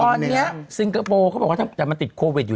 ตอนนี้ซิงเกอร์โป่เขาบอกว่าถ้ามันติดโควิดอยู่